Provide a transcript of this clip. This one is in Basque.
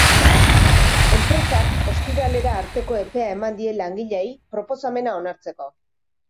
Enpresak ostiralera arteko epea eman die langileei proposamena onartzeko.